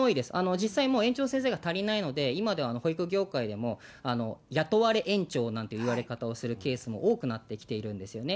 実際、もう園長先生が足りないので、今では保育業界でも雇われ園長なんて言われ方をするケースも多くなってきているんですよね。